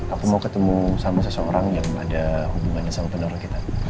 aku mau ketemu sama seseorang yang ada hubungannya sama penur kita